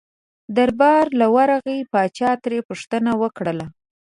دربار له ورغی پاچا ترې پوښتنه وکړله.